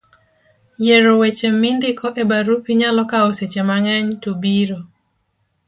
yiero weche mindiko e barupi nyalo kawo seche mang'eny to biro